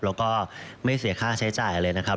แล้วก็ไม่เสียค่าใช้จ่ายอะไรนะครับ